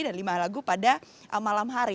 dan sepuluh lagu pada malam hari